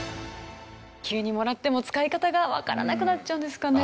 急にもらっても使い方がわからなくなっちゃうんですかね？